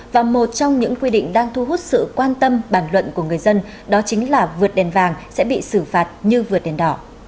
và một trong những quy định đang thu hút sự quan tâm bàn luận của người dân đó chính là vượt đèn vàng sẽ bị xử phạt như vượt đèn đỏ